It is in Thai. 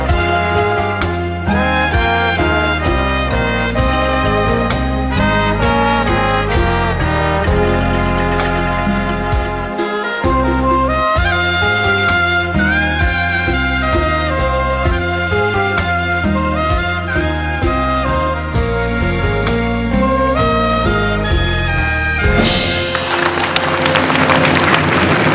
มันจะคุ้มร่วมมาก